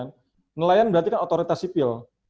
nelayan berarti kan otoritas sipil